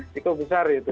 cukup besar itu